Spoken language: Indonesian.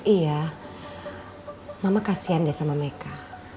iya mama kasian deh sama meka